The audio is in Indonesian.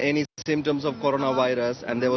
dan ada tim medis yang menonton mereka secara regular